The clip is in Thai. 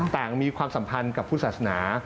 ต่างมีความสัมพันธ์กับพุทธศาสนา